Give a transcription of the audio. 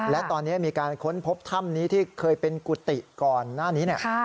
และตอนนี้มีการค้นพบถ้ำนี้ที่เคยเป็นกุฏิก่อนหน้านี้